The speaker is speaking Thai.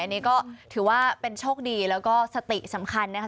อันนี้ก็ถือว่าเป็นโชคดีแล้วก็สติสำคัญนะคะ